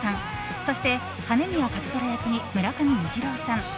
そして、羽宮一虎役に村上虹郎さん